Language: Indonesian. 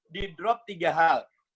di drop tiga hal